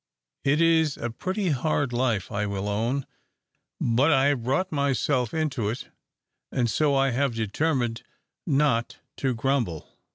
It is a pretty hard life, I will own; but I have brought myself into it, and so I have determined not to grumble."